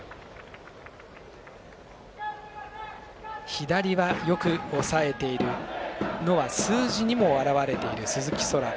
左は、よく抑えているのは数字にも表れている鈴木翔天。